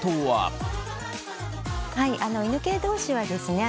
犬系同士はですね